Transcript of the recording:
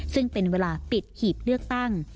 ซึ่งเป็นเวลาปิดหีบเลือกตั้ง